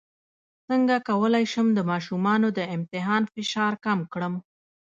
څنګه کولی شم د ماشومانو د امتحان فشار کم کړم